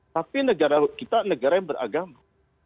tapi negara kita negara yang beragama